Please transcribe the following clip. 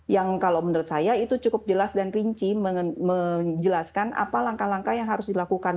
yang kalau menurut saya itu cukup jelas dan rinci menjelaskan apa langkah langkah yang harus dilakukan